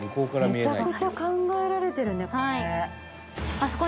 めちゃくちゃ考えられてるねこれ。